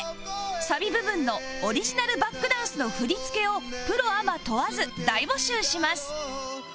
サビ部分のオリジナルバックダンスの振り付けをプロアマ問わず大募集します